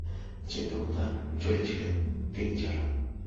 যে দেবতা জ্বলেছিলেন তিনি জ্বালান।